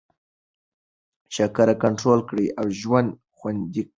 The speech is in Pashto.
شکره کنټرول کړئ او ژوند خوندي کړئ.